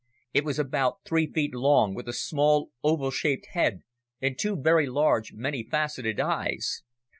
It was about three feet long with a small, oval shaped head and two very large, many faceted eyes.